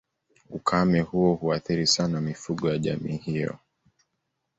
Ukame huo huathiri sana mifugo ya jamii hiyo